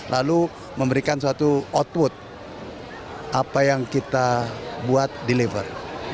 lalu memberikan suatu output apa yang kita buat deliver